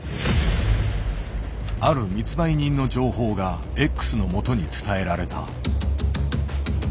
ある密売人の情報がＸのもとに伝えられた。